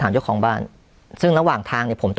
อเจมส์เท่าไหร่ครับ